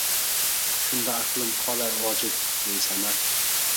Shunda aqlim qolar ojiz, besamar